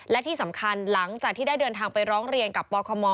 และที่สำคัญหลังจากที่ได้เดินทางไปร้องเรียนกับปคม